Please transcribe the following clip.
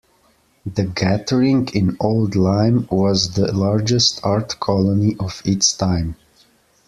The gathering in Old Lyme was the largest art colony of its time.